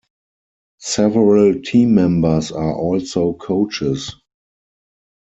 Several team members are also coaches.